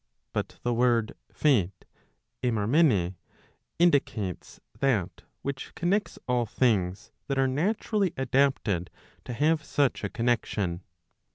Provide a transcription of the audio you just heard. But the word Fate indicates that which connects all things that are naturally adapted to have such a connexion.